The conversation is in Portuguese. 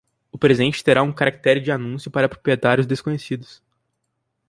O presente terá um caractere de anúncio para proprietários desconhecidos.